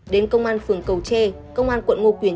đến công an phường cầu chê công an quận ngô quyền